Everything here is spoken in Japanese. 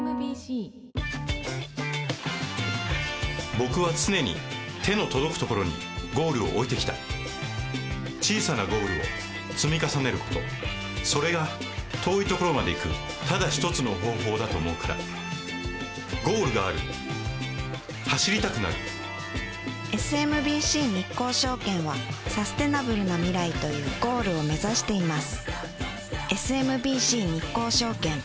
僕は常に手の届くところにゴールを置いてきた小さなゴールを積み重ねることそれが遠いところまで行くただ一つの方法だと思うからゴールがある走りたくなるＳＭＢＣ日興証券はサステナブルな未来というゴールを目指しています